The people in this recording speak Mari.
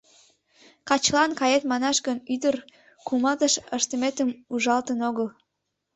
— Качылан кает манаш гын, ӱдыр кумалтыш ыштыметым ужалтын огыл.